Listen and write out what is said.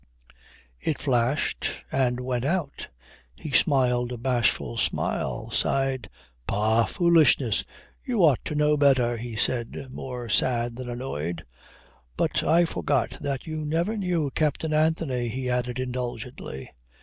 It flashed and went out. He smiled a bashful smile, sighed: "Pah! Foolishness. You ought to know better," he said, more sad than annoyed. "But I forgot that you never knew Captain Anthony," he added indulgently.